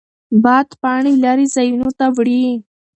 باد پاڼې لرې ځایونو ته وړي.